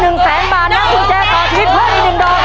หนึ่งแสนบาทนัดสูตรแจขอชีวิตเพื่อนอีกหนึ่งดอมนะครับ